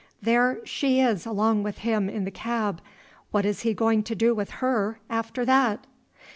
"There she is along with him in the cab. What is he going to do with her after that?"